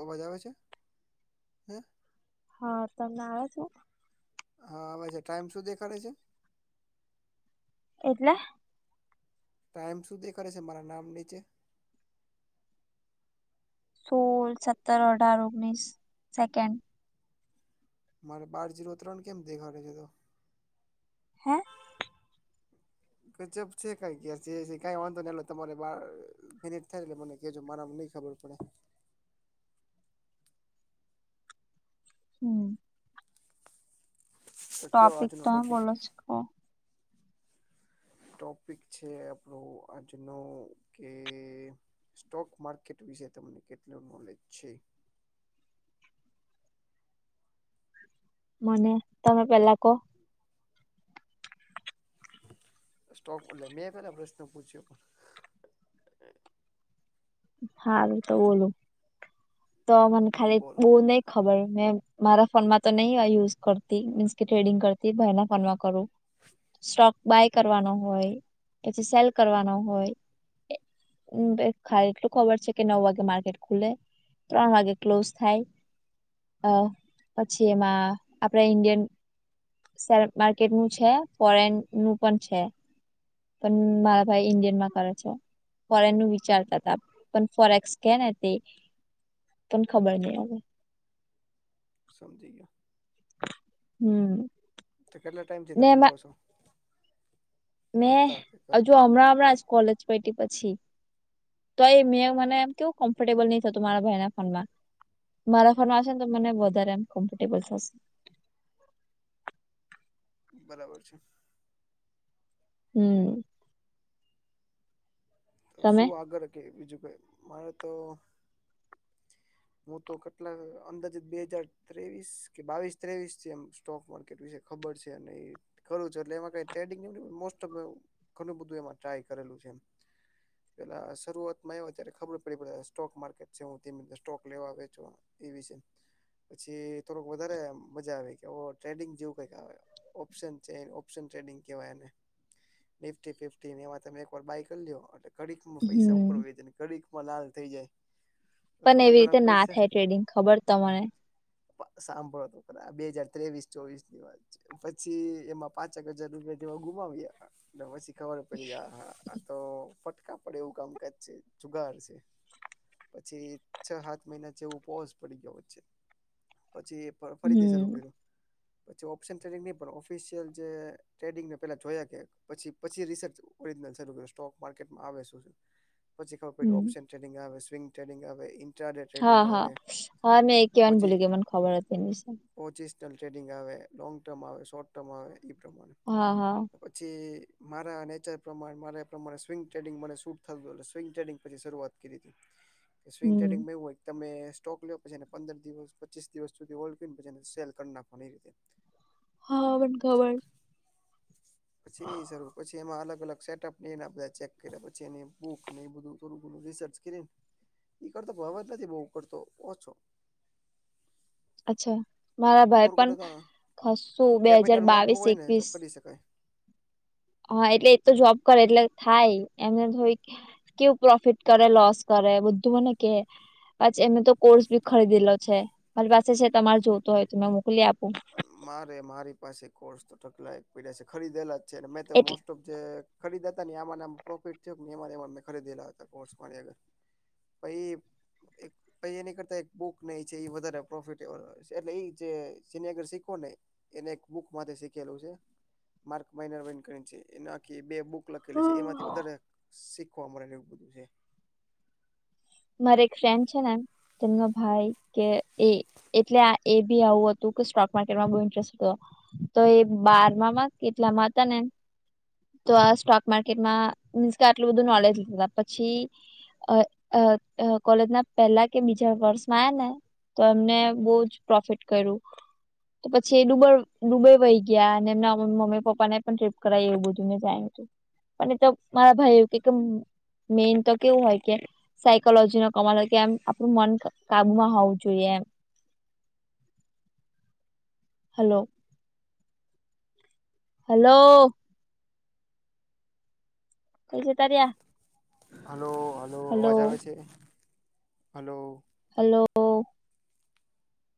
અવાજ આવે છે હે હા તમને આવે છે હા આવે છે ટાઈમ શું દેખાડે છે? એટલે ટાઈમ શું દેખાડે છે મારા નામ નીચે સોળ સત્તર અઢાર ઓગણીસ સેકન્ડ મારે બાર જીરો ત્રણ કેમ દેખાડે છે તો હેં ગજબ છે કઈ [unintelligible] જે છે કાંઇ વાંધો નઈ હાલો તમારે બાર મિનિટ થાય એટલે મને કેજો મારા નઈ ખબર પડે હમ્મ તો કયો ટોપિક આજનો ટોપિક [unintelligible] ટોપિક છે આપણો આજનો કે સ્ટોક માર્કેટ વિશે તમને કેટલું નોલેજ છે. મને તમે પેલા કો સ્ટોક એટલે મેં તને પ્રશ્ન પૂછ્યો હારૂ તો બોલું તો મને ખાલી બોલો બઉ ન ખબર મેં મારા ફોનમાં તો નહીં યુઝ કરતી મીન્સ કે ટ્રેડિંગ કરતી ભાઈના ફોનમાં કરું [inaudible] સ્ટોક બાય કરવાનો હોય પછી સેલ કરવાનો હોય એ હમ્મ બે [unintelligible] ખબર છે કે નવ વાગે માર્કેટ ખુલે ત્રણ વાગે ક્લોઝ થાય અ પછી એમાં આપણે ઇન્ડિયન શેર માર્કેટનું છે ફોરેન નું પણ છે. પણ મારા ભાઈ ઇન્ડિયનમાં કરે છે ફોરેન નું વિચારતા તા પણ ફોરેક્સ કે તે તન ખબર નઈ આવે સમજી ગ્યો હમ્મ તે કેટલા ટાઈમથી તમે કરો છો મેં કરતા કે કરો હજુ હમણાં એ હમણાં જ કોલેજ પઈટી પછી તો એ મેં મને એમ કેવું કમ્ફર્ટેબલ નઈ થતુ મારા ભાઈ ના ફોનમાં મારા ફોનમાં આવશે ને તો મને વધારે એમ કમ્ફર્ટેબલ થશે બરાબર છે. હમ્મ તો તમે શું આગળ કે બીજું કાઈ મારે તો હું તો કેટલા અંદાજીત બે હજાર ત્રેવીસ કે બાવીસ ત્રેવીસ છે એમ સ્ટોક માર્કેટ વિશે ખબર છે અને એ કરુ છે એટલે એમાં કાંઇ ટ્રેડિંગ [unintelligible] મોસ્ટોફ ઘરનું બધું એમાં ટ્રાય કરેલું છે. એમ પેલા શરૂઆતમાં આઈવા ત્યારે ખબર પડી આપડે સ્ટોક માર્કેટ છે હું આન અને સ્ટોક લેવા વેચવા ઈ વિશે પછી થોડોક વધારે મજા આવે કે ઓ ટ્રેડિંગ જેવું કઈક આવે ઓપ્શન છે ઓપ્શન ટ્રેડિંગ કહેવાય એને નિફ્ટી ફિફ્ટી ને એમાં તમે બાય કરી લ્યો એના માટે ઘડીક માં પૈસા હમ [unintelligible] ને ઘડીક માં લાલ થઈ જાય તો પણ થોડા એવી ઘણા રીતે ના પૈસા થાય ટ્રેડિંગ ખબર તમને સાંભળોતો ખરા બે હાજર ત્રેવીસ ચોવીસ ની વાત પછી એમાં પાંચક હજાર રૂપિયા જેવા ગુમાવી્યા પછી ખબર પડી આ હા હા તો ફટકા પડે એવું કામકાજ છે જુગાર છે પછી છ સાત મહિના જેવું ફોજ પડી ગયો વચ્ચે પછી એ ફરીથી શરૂ હમ કર્યું. પછી ઓપ્શન ટ્રેડિંગ નઈ પણ ઓફિસિયલ જે ટ્રેડિંગને પેલા જોયા કે પછી પછી રિસર્ચ ઓરિજનલ શરુ કર્યું, સ્ટોક માર્કેટમાં આવે શું છે. પછી ખબર પઇડી હમ ઓપ્શન ટ્રેનિંગ આવે સ્વિંગ ટ્રેનિંગ આવે ઇન્ટ્રાડે ટ્રેડિંગ હા હા આવે એ કહેવાનું ભૂલી ગઈ મન ખબર જ નહીં. પોચસનલ ટ્રેડિંગ આવે લોૉંગ ટર્મ આવે શોર્ટ ટર્મ આવે એ પ્રમાણે હા હા પછી મારા નેચર પ્રમાણે મારા એ પ્રમાણે સ્વિંગ ટ્રેડિંગ મને શૂટ થતું એટલે સ્વિંગ ટ્રેડિંગ પછી શરૂઆત કરી તી. [unintelligible] એ સ્વિંગ ટ્રેડિંગમાં એવું હોય તમે સ્ટોક લો પછી એને પંદર દિવસ, પચીસ દિવસ સુધી હોલ્ડ કરી ને પછી એને સેલ કરી નાખો એ રીતે હા, મને ખબર. પછી એ હિસાબે, પછી એમાં અલગ અલગ સેટઅપ. એના બધા ચેક કરયા પછી એની બુક ને એ બધું થોડું થોડું રિસર્ચ કરીને ઈ કરતો ભાવ જ નથી બહ કરતો ઓછો. અચ્છા મારા ભાઈ થોડું પણ કદાચ ખાસુ બે હાજાર કેપિટલ મોટું બાવીસ હોય ને તો એકવીસ. કરી શકાય હા, એટલે એ તો જોબ કર એટલે થાય એમને થોડીક કેવું પ્રોફિટ કરે, લોસ કરે બધું મને કે આજે એને તો કોર્સ ભી ખરીદેલો છે, મારી પાસે છે તમારે જોતો હોય તો, મે મોકલી આપું. મારે મારી પાસે કોર્સ તો ઢગલાય પડ્યા છે, ખરીદેલા જ છે ને મેં તો એટલે મોસ્ટ ઓફ જે ખરીદ્યા ને આમાં આમા પ્રોફિટ થયો પણ એમાં ન એમાં મેં ખરીદેલા હતા જે કોર્સ પડ્યા હતા. [unintelligible] એક પછી એની કરતા એક બુક ને એ છે, એ વધારે પ્રોફિટેબલ હોય છે એટલે એ જે સેનેગર શીખો ને એને એક બુક માટે શીખેલું છે. માર્ક માઇનરન વર્ણ કરી છે અને આખી બે બુક લખલી છે, એમાંથી વધારે શીખવા મળે એવું બધું હે. મારે એક ફ્રેન્ડ છે તેમનો ભાઈ કે એ. એટલે આ એ બી આવું હતું કે સ્ટોક માર્કેટમાં ઇન્ટરેસ્ટ હતો. તો એ બારમામાં કેટલામાં હતા ને તો આ સ્ટોક માર્કેટમાં મીન્સ કે આટલું બધું નોલેજ લીધા હતા પછી અહ અહ કોલેજના પહેલા કે બીજા વર્ષમાં આયા ને. તો એમને બહુ જ પ્રોફિટ કર્યું. તો પછી એ દુબ દુબઈ વહી ગયા અને એમના મમ્મી પપ્પા ને પણ ટ્રીપ કરાયી એવું બધું મેને જાણ્યું હતું. અને તો મારા ભાઈ એવું કે મેન તો કેવું હોય કે સાયકોલોજી નો કમાલ હોય કે એમ આપડું મન કાબુમાં હોવું જોઈએ એમ. Hello hello. [unintelligible] હલો હલો અવાજ આવે છે? હલો. હલો ઓ.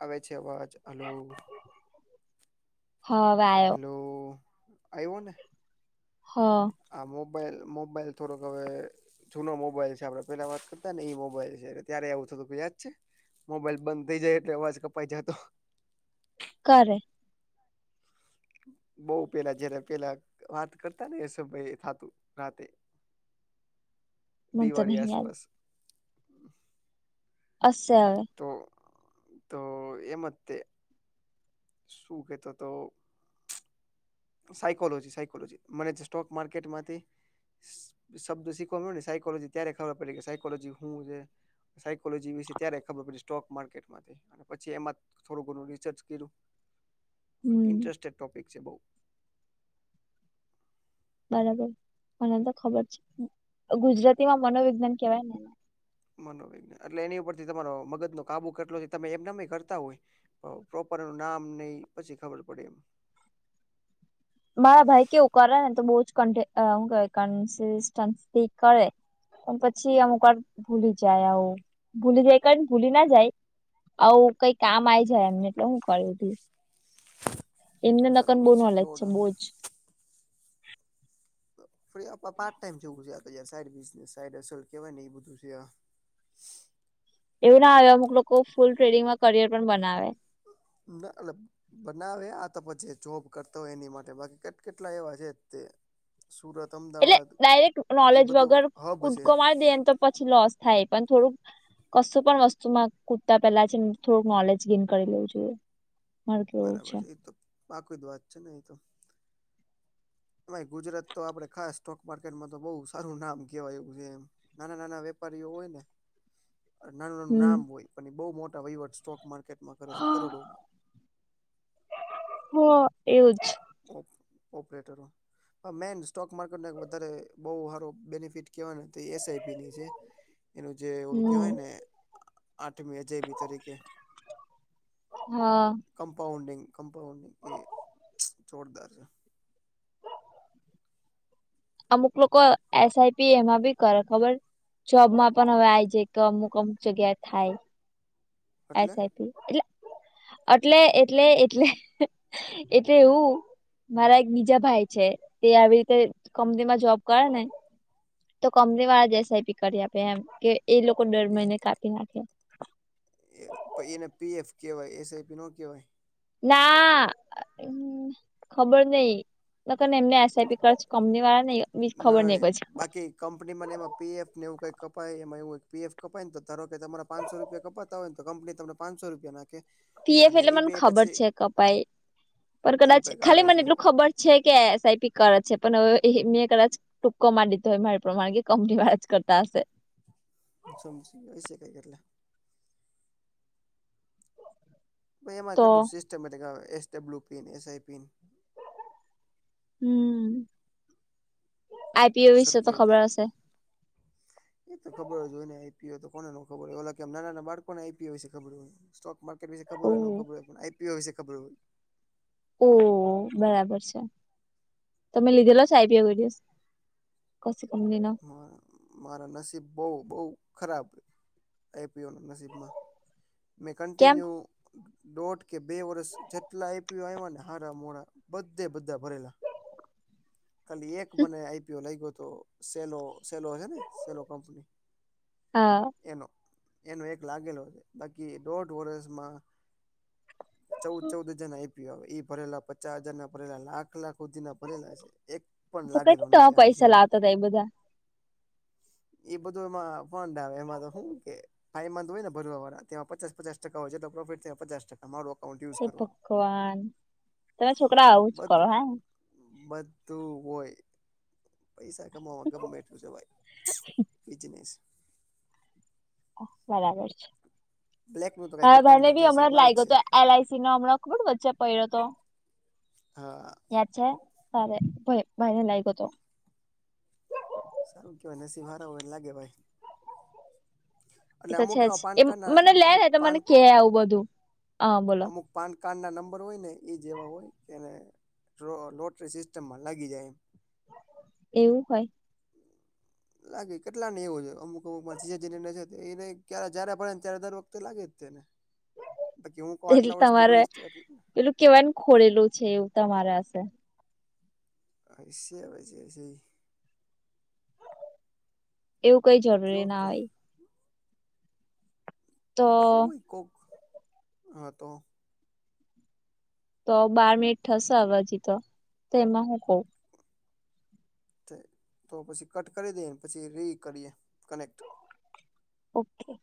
આવે છે અવાજ. હલો. અવાજ હલો, આયવોને? હા. આ મોબાઈલ મોબાઈલ થોડોક હવે જૂનો મોબાઈલ છે આપડે પેલા વાત કરતા ને એઈ મોબાઈલ છે ત્યારે એવું થતું યાદ છે. મોબાઈલ બંધ થઈ જાય એટલે અવાજ કપાઈ જાતો. કારે બઉ પેલા જયારે પેલા વાત કરતાં એ સમય થાતું રાતે. [inaudible] મને તો દિવાળી નહી યાદ આસપાસ [unintelligible] તો તો એમ તે શું કેતો તો સાયકોલોજી સાયકોલોજી મને જે સ્ટોક માર્કેટમાંથી શબ્દ શીખવા મળ્યો ને સાયકોલોજી ત્યારે ખબર પડી કે સાયકોલોજી શું હે સાયકોલોજી વિશે ત્યારે ખબર પડી સ્ટોક માર્કેટમાં જઈ ન પછી એમાં થોડું ઘણું રિસર્ચ કર્યું હમ ઇન્ટરેસ્ટેડ ટોપિક છે બોવ બરાબર મને તો ખબર છે ગુજરાતીમાં મનોવિજ્ઞાન કેવાય ને મનોવિજ્ઞ એટલે એની ઉપરથી તમારો મગજનો કાબુ કેટલો તમે એમ ને એમ કરતા હોય પ્રોપર એનું નામ ઈ પછી ખબર પડે એમ મારા ભાઈ કેવું કરે ને તો [unintelligible] કરે પછી અમુક વાર ભૂલી જાય આવ ભૂલી જાય કારણ ભૂલી ના જાય આવું કઈ કામ આઈ જાય એમને એટલે હું કર્યું એમને કન બહુ નોલેજ [inaudible] છે બહુ જ આપડે આ પાર્ટ ટાઈમ જવું સાઈ બઝને સાઈ અસલ ને એ બધું છે એવું ના હોય અમુક લોકો ફૂલ ટ્રેડિંગમાં કરિયર પણ બનાવે ના અલગ બનાવે આ તો પછી જે જોબ કરતો હોય એની માટે બાકી કેટ કેટલા એવા છે તે સુરતમ એટલે ડાયરેક્ટ નોલેજ વગર હબ છે કુટકો મારી દઈએ તો પછી લોસ થાય પણ થોડુંક કશું પણ વસ્તુમાં કૂદતા પેલા છે ને થોડુંક લીન નોલેજ કરી લેવું જોઈએ મારું તો એવું બરાબર છે એ તો પાકી વાત છે એ તો એમાઇ ગુજરાત તો આપડે ખાસ સ્ટોક માર્કેટમાં તો બહુ સારું નામ કહેવાય એવું છે એમ નાના નાના વેપારીઓ હોય ને નાનું નાનું હમ નામ હોય પણ એ બહુ મોટા વહીવટ સ્ટોક માર્કેટમાં કરે છે કરોડોમાં હ એવું જ ઓપ ઓપરેટરો મેન સ્ટોક માર્કેટને વધારે બહ હારો બેનિફિટ કેહેવાય તો એ એસ આ ઈપી ની છે. [inaudible] એનું જે ઓલું હમ કેવાય ને આઠમી અજય બી તરીકે હા કમપઉડિંગ કંપઉન્ડિંગ એ જોરદાર છે. અમુક લોકો એસ આઈ પી એમાં બી કરે ખબર જોબમાં પણ આય જે કે અમુક અમુક જગ્યાએ થાય છે એસ એટલે આઈ પી એટલે એટલે એટલે એટલે એટલે એવું મારા એક બીજા ભાઈ છે તે આવી રીતે કંપનીમાં જોબ કરે ને તો કંપની વાળા એસ આઈ પી કરી આપે એમ કે એ લોકો દર મહિને કાપી નાખે એ એને પી એફ કહેવાય એસ આઈ પી નો કેવાઇ ના ખબર નઈ [unintelligible] નઈ બાકી કંપનીમાંને એમાં પીએફને એવું કંઈ કપાય એમાં એવું હોય કે પીએફ કપાય તો ધારો કે તમારા પાંચસો રૂપિયા કપાત તા હોય ને તો કંપની તમને પાચસો રૂપિયા નાખે પીએફ અને એટલે એ મને બે ખબર પછી છે કપાઈ પણ એવું કદાચ કંઈક આવે ખાલી મને છે એટલું ખબર છે કે એસ આઈ પી [unintelligible] છે. પણ હવે મેં કદાચ ટૂક્કો મારી દીધો હોય મારી પ્રમાણે કે કંપની વાળા જ કરતા હશે. સમજી શકાય છે કે કેટલા. ભાઈ એમા તો કેટલુ સિસ્ટેમેટિક, એસ ડબ્લ્યુ પિ, ને એસ આઈ પિ, ને હમ આ સરખી રીતે. [inaudible] એ તો ખબર જ હોય ને આઈ પી ઓ તો કોને નો ખબર હોય, ઓલા કેમ નાના -નાના બાળકોનેય આઈ પી ઓ વિશે ખબર હોય. સ્ટોકમાર કેટ વિશે ખબર ઓ હોય, નો ખબર હોય પણ આઈ પી ઓ વિશે ખબર હોય. ઓહ, બરાબર છે. તમે લીધેલા છે આઈ પી ઓ વિડિઓસ [unintelligible] કંપનીનો. હા, મારા નસીબ બહુ-બહુ ખરાબ આઈ પી ઓ ના નસીબમાં. મેં કેમ કન્ટિન્યુ દોઢ કે બે વર્ષ જેટલા આઈ પી ઓ આયવા ને હાર મોડા બધે બધા ભરેલા. ખાલી એક મને આઈ પી ઓ લાઈગો હતો. સેલો-સેલો હે ને સેલો કંપની. હા. એનો- એનો એક લાગેલો છે બાકી દોઢ વર્ષમાં ચૌદ-ચૌદ હજાર ના આઈ પી ઓ આવે, ઈ ભરેલા પચાસ હજાર ના ભરેલા, લાખ-લાખ હુધી ના ભરેલા છે. એક પણ તો કઈ લાગેલો તમે નથી આની પૈસા સિવાય. લાવતા હતા એ બધા એ બધું એમાં ફડ આવે એમાં તો હું કે. હા, એમાં તો હોય ને ભરવા વાળા, તેમાં પચાસ-પચાસ ટકાઓ જેટલો પ્રોફિટ થી પચાસ ટકા અમારો અકાઉન્ટ યુઝ હે કરવાનું. ભગવાન તમે છોકરા આવું જ કરો બધુ હે બધું હોય. પૈસા કમાવા ગમે એટલું જવાય. બિજનેસ. હ, બરાબર છે. બ્લેક નું તો કઈ કરતા હા, મને નથી જે બી છે હમણાં જ વ્હાઈટ લાગ્યો છે તો એલ આઈ સીમા હમણાં ખબર વચ્ચે પડ્યો હતો. હા. યાદ છે. તારે ભારે -ભારે લાયગો તો. સારું કેવાય. નસીબ હારા હોય એને લાગે ભાઈ. એ એટલે તો અમુક છે જ. એવા પાન એ કાર્ડ ના મને લેહે અમુક એ તો પાન મને કેહે આવું બધું. હ બોલો. અમુક પાન કાર્ડ ના નંબર હોય ને એ જેવા હોય તેને ડ્રો લોટરી સિસ્ટમમાં લાગી જાય એમ. એવું હોય. લાગે કેટલા ને એવું જ હોય. અમુક- અમુકમાં [unintelligible] ક્યારે જયારે પડે ત્યારે દર વખતે લાગે જ છે. બાકી હું કો એટલે આટલા વર્ષથી તમારે [unintelligible] પેલું કેવાયને ખોળેલું છે એવું તમારે હશે. હયશે અવે જે છે ઈ. એવું કઈ જરૂરી કયો ના તો હોય. તો એવુ હોય કોક હા તો. તો બાર મિનિટ થશે હવે હજી તો તો એમાં હું કઉ. તે તો પછી કટ કરી દેયે ને પછી રી કરીએ કનેક્ટ. ઓકે.